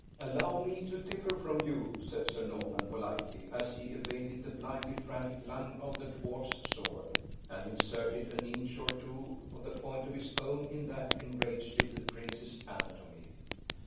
"Allow me to differ from you," said Sir Norman, politely, as he evaded the blindly frantic lunge of the dwarf's sword, and inserted an inch or two of the point of his own in that enraged little prince's anatomy.